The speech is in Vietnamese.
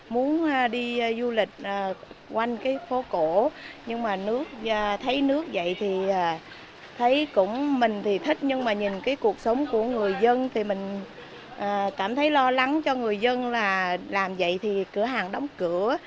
muốn đi du lịch quanh cái phố cổ nhưng mà nước thấy nước vậy thì thấy cũng mình thì thích nhưng mà nhìn cái cuộc sống của người dân thì mình cảm thấy lo lắng cho người dân là làm vậy thì cửa hàng đóng cửa